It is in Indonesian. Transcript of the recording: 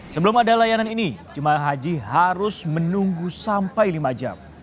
sebelum ada layanan ini jemaah haji harus menunggu sampai lima jam